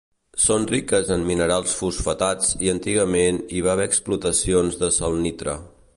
Són riques en minerals fosfatats i antigament hi va haver explotacions de salnitre.